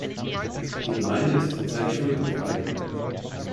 Die Gemeinde ist zurzeit schuldenfrei.